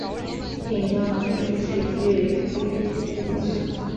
电影中融入喜剧诙谐因素。